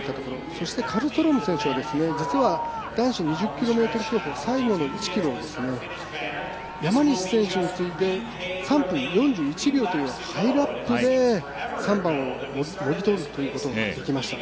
そして、カルストローム選手は実は男子２０ｋｍ競歩最後の１ｋｍを山西選手に次いで３分４１秒というハイラップで３番をもぎ取るということができました。